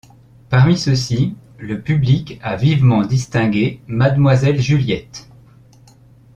Parmi ceux-ci, le public a vivement distingué mademoiselle Juliette.